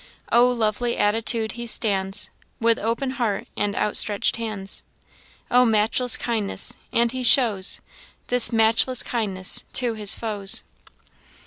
"Oh, lovely attitude! he stands With open heart and outstretch'd hands: Oh, matchless kindness! and he shows This matchless kindness to his foes.